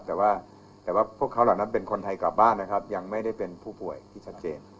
แต่ว่าแต่ว่าพวกเขาเหล่านั้นเป็นคนไทยกลับบ้านนะครับยังไม่ได้เป็นผู้ป่วยที่ชัดเจน